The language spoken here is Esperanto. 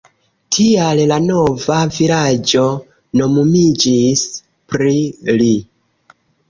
Tial la nova vilaĝo nomumiĝis pri li.